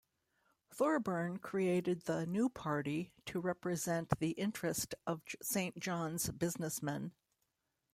Thorburn created the "New Party" to represent the interest of Saint John's businessmen.